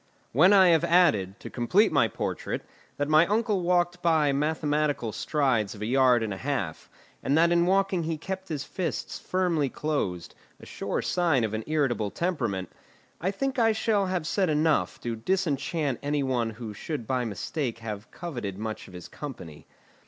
When I have added, to complete my portrait, that my uncle walked by mathematical strides of a yard and a half, and that in walking he kept his fists firmly closed, a sure sign of an irritable temperament, I think I shall have said enough to disenchant any one who should by mistake have coveted much of his company.